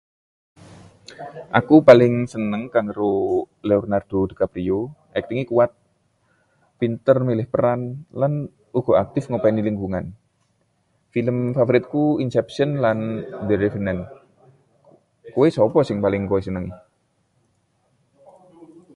Aku paling seneng karo Leonardo DiCaprio. Aktingé kuwat, pinter milih peran, lan uga aktif ngopeni lingkungan. Film favoritku: Inception lan The Revenant. Kowe sapa sing paling kowe senengi?